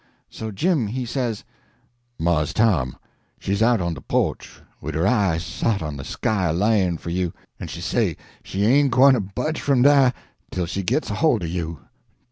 So Jim he says: "Mars Tom, she's out on de porch wid her eye sot on de sky a layin' for you, en she say she ain't gwyne to budge from dah tell she gits hold of you.